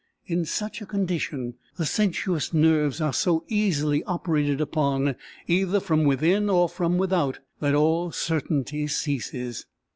In such a condition, the sensuous nerves are so easily operated upon, either from within or from without, that all certainty ceases.